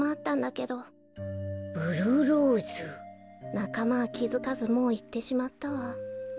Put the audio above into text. なかまはきづかずもういってしまったわ。